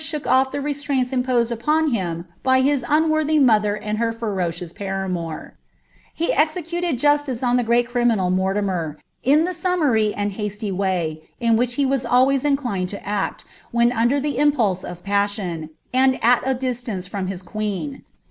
ehook off the restraints ivpon him by his unworthy mother and her ferocious paramour, lilted justice on the great criminal Mortimer, in the stmiintry (y way, in which he was always inclined lo act, when under the o( fmatwot and at a distance from his queen.